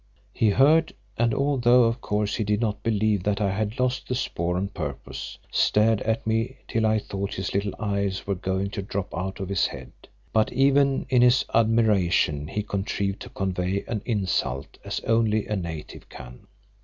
He heard and, although of course he did not believe that I had lost the spoor on purpose, stared at me till I thought his little eyes were going to drop out of his head. But even in his admiration he contrived to convey an insult as only a native can.